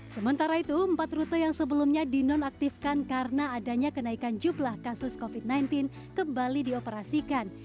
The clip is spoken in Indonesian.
sementara itu empat rute yang sebelumnya dinonaktifkan karena adanya kenaikan jumlah kasus covid sembilan belas kembali dioperasikan